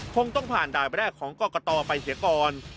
คงต้องผ่านด่ายแรกของกรกตไปเสียก่อน